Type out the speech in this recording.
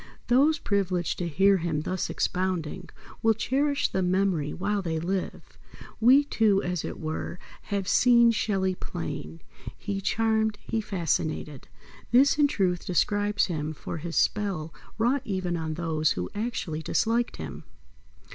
Those privileged to hear him thus expounding will cherish the memory while they live. We, too, as it were, have "seen Shelley plain." He charmed, he fascinated. This, in truth, describes him for his spell wrought even on those who actually disliked him.